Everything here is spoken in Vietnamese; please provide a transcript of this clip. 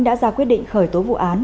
đã ra quyết định khởi tố vụ án